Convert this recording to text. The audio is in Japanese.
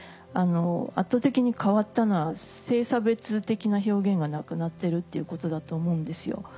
圧倒的に変わったのは性差別的な表現がなくなってるっていうことだと思うんですよ。